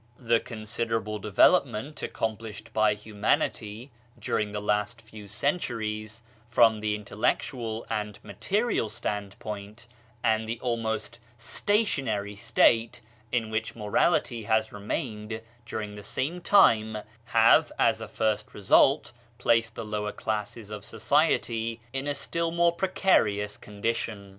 The considerable de velopment accomplished by humanity during the last few centuries, from the intellectual and material standpoint, and the almost stationary state in which morality has remained during the same time, have as a first result placed the lower classes of society in a still more precarious condition.